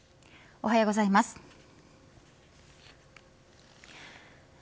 おはようございます。